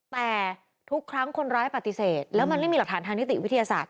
แต่ทุกครั้งคนร้ายปฏิเสธแล้วมันไม่มีหลักฐานทางนิติวิทยาศาสตร์